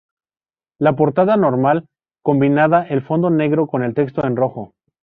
La portada "normal" combinaba el fondo negro con el texto en rojo.